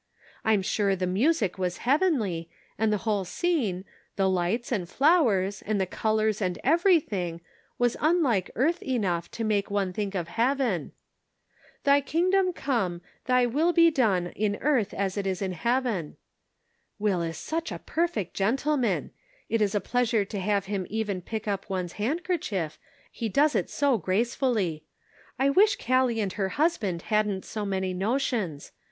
I'm sure the music was heavenly, and the whole scene, the lights and flowers, and the colors and everything, was unlike earth enough to make one think of heaven. ' Thy kingdom come, thy will be done in earth as it is in heaven.' Will is such a perfect gentleman ; it is a pleas ure to have him even pick up one's handker chief, he does it so gracefully. I wish Callie and her husband hadn't so many notions.